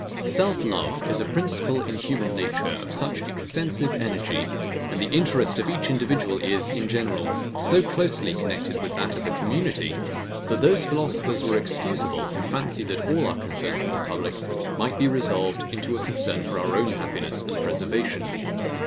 Self love is a principle in human nature of such extensive energy, and the interest of each individual is, in general, so closely connected with that of the community, that those philosophers were excusable, who fancied that all our concern for the public might be resolved into a concern for our own happiness and preservation.